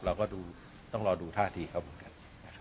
เราก็ต้องรอดูท่าทีเขาเหมือนกัน